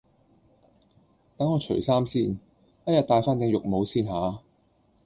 等我除衫先，哎呀戴返頂浴帽先吓